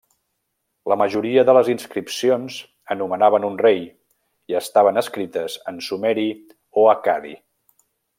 La majoria de les inscripcions anomenaven un rei i estaven escrites en sumeri o accadi.